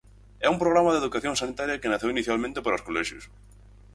É un programa de educación sanitaria que naceu inicialmente para os colexios.